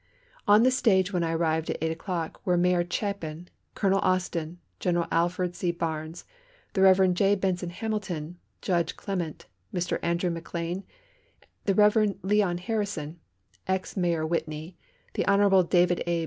On the stage, when I arrived at eight o'clock, were Mayor Chapin, Colonel Austen, General Alfred C. Barnes, the Rev. J. Benson Hamilton, Judge Clement, Mr. Andrew McLean, the Rev. Leon Harrison, ex Mayor Whitney, the Hon. David A.